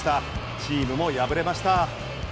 チームも敗れました。